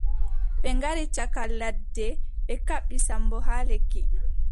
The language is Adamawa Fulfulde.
Ɓe ngari caka ladde ɓe kaɓɓi Sammbo haa lekki.